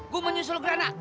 gua mau nyusul gerhana